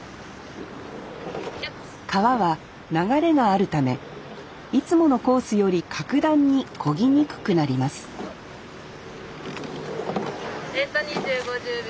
川は流れがあるためいつものコースより格段に漕ぎにくくなりますデータ２０５０秒。